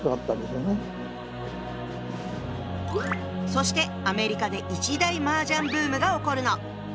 そしてアメリカで一大マージャンブームが起こるの。